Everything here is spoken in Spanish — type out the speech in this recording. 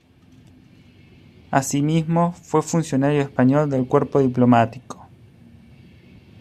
Así mismo fue funcionario español del cuerpo diplomático.